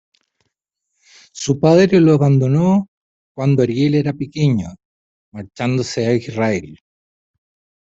Su padre los abandonó cuando Ariel era pequeño, marchándose a Israel.